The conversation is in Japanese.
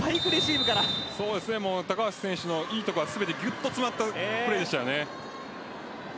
高橋選手のいいところがぎゅっと詰まったプレーでしたよね。